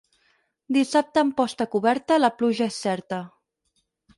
Dissabte amb posta coberta, la pluja és certa.